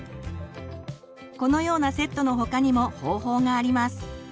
このようなセットの他にも方法があります。